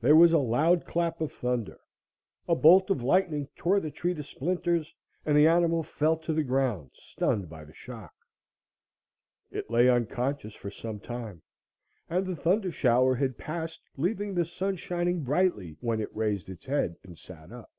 There was a loud clap of thunder, a bolt of lightning tore the tree to splinters, and the animal fell to the ground, stunned by the shock. It lay unconscious for some time, and the thunder shower had passed, leaving the sun shining brightly, when it raised its head and sat up.